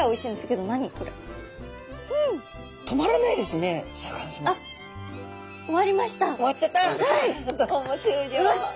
どうも終了。